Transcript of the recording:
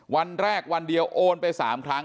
วันแรกวันเดียวโอนไป๓ครั้ง